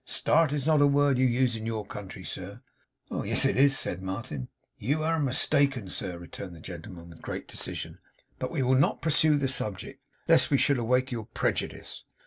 Start is not a word you use in your country, sir.' 'Oh yes, it is,' said Martin. 'You air mistaken, sir,' returned the gentleman, with great decision: 'but we will not pursue the subject, lest it should awake your preju dice.